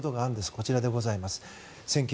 こちらでございます。